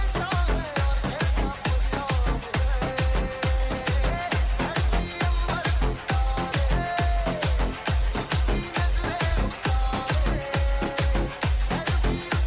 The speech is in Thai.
สวัสดีครับ